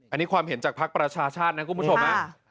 อันนี้ความเห็นจากภักดิ์ประชาชาตินะคุณผู้ชม